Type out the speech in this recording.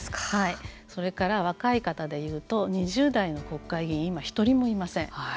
それから、若い方でいうと２０代の国会議員今、１人もいません。